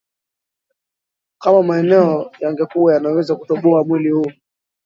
Kama maneno yangekuwa yanaweza kutoboa mwili huu